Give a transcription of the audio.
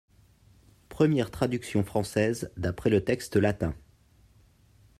Première traduction française d’après le texte latin.